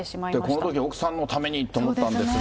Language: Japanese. このとき、奥さんのためにって思ったんですが。